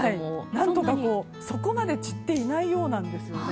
何とか、そこまで散っていないようなんです。